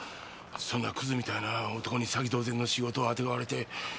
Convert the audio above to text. そんなクズみたいな男に詐欺同然の仕事をあてがわれて。